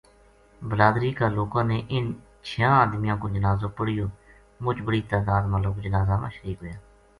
بلادری کا لوکاں نے اِنھ چھیاں ادمیاں کو جنازو پڑھیو مُچ بڑی تعداد ما لوک جنازہ ما شریک ہویا